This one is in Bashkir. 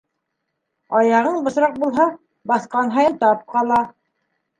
Аяғың бысраҡ булһа, баҫҡан һайын тап ҡала.